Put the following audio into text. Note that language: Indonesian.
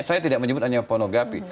saya tidak menyebut hanya pornografi